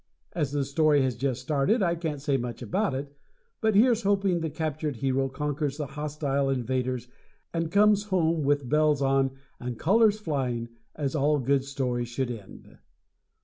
As the story has just started, I can't say much about it, but here's hoping the captured hero conquers the hostile invaders and comes home with bells on and colors flying, as all good stories should end.